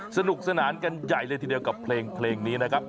สนุกสนานกันใหญ่เลยทีเดียวกับเพลงนี้นะครับ